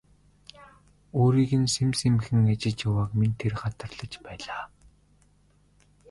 Өөрийг нь сэм сэмхэн ажиж явааг минь тэр гадарлаж байлаа.